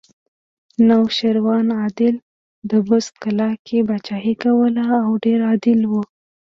نوشیروان عادل د بست کلا کې پاچاهي کوله او ډېر عادل و